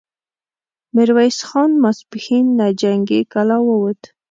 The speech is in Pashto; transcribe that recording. ميرويس خان ماسپښين له جنګي کلا ووت،